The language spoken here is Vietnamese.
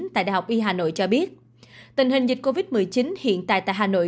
tại đh y hà nội cho biết tình hình dịch covid một mươi chín hiện tại tại hà nội